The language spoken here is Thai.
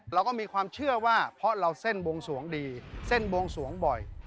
เราก็มีความเชื่อว่าเพราะเราเส้นบวงสวงดีเส้นบวงสวงบ่อย